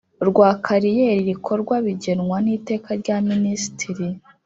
Rwa kariyeri rikorwa bigenwa n iteka rya minisitiri